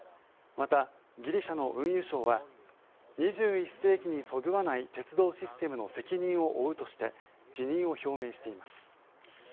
また、ギリシャの運輸相は２１世紀にそぐわない鉄道システムの責任を負うとして辞任を表明しています。